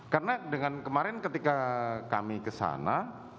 karena dengan kemarin ketika kami ke sana